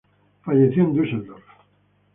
Falleció en Düsseldorf.